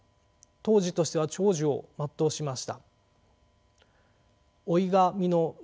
当時としては長寿を全うしました。